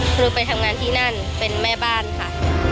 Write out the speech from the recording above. คือไปทำงานที่นั่นเป็นแม่บ้านค่ะ